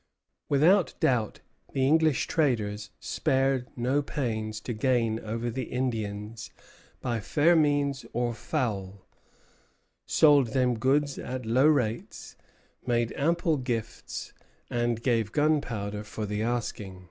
Without doubt, the English traders spared no pains to gain over the Indians by fair means or foul; sold them goods at low rates, made ample gifts, and gave gunpowder for the asking.